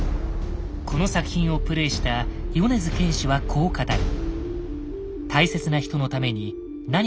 この作品をプレイした米津玄師はこう語る。